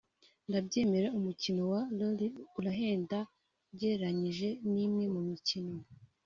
“Ndabyemera umukino wa Rally urahenda ugereranyije n’imwe mu mikino